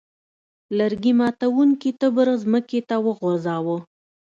لرګي ماتوونکي تبر ځمکې ته وغورځاوه.